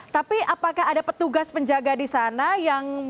tapi apakah ada petugas penjaga di sana yang